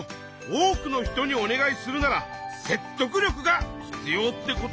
多くの人にお願いするなら説得力が必要ってことか。